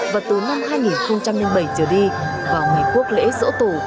và từ năm hai nghìn bảy trở đi vào ngày quốc lễ dỗ tổ